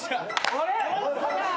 あれ？